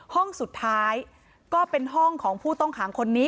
ห้องสุดท้ายก็เป็นห้องของผู้ต้องขังคนนี้